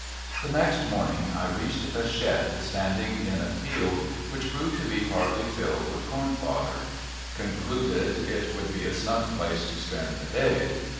The next morning I reached a shed standing in a field, which proved to be partly filled with corn fodder. Concluded it would be a snug place to spend the day.